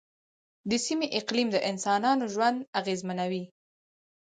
د سیمې اقلیم د انسانانو ژوند اغېزمنوي.